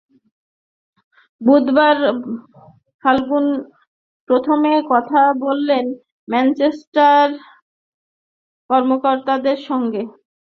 বুধবার ফার্গুসন প্রথমে কথা বলেন ম্যানচেস্টার ইউনাইটেডের খেলোয়াড় ও কর্মকর্তাদের সঙ্গে।